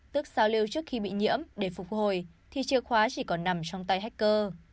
tức giao lưu trước khi bị nhiễm để phục hồi thì chìa khóa chỉ còn nằm trong tay hacker